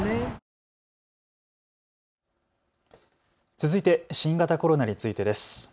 続いて新型コロナについてです。